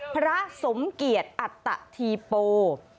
พระสมเกียรติอัตตาธิโปร์